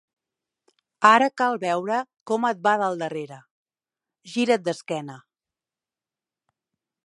Ara cal veure com et va del darrere: gira't d'esquena.